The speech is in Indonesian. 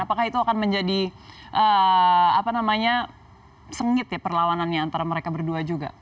apakah itu akan menjadi sengit ya perlawanannya antara mereka berdua juga